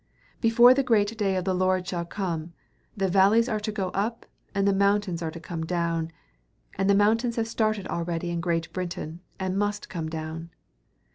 Before the great day of the Lord shall come, the valleys are to go up and the mountains are to come down; and the mountains have started already in Great Britain and must come down.